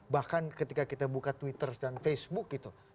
bahkan ketika kita buka twitter dan facebook gitu